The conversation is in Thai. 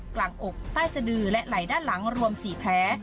กลางอกใต้สดือและไหล่ด้านหลังรวมสี่แพ้